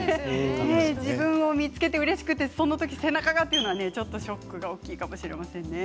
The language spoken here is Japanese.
自分を見つけてうれしくてその時、背中がというのはショックが大きいかもしれません。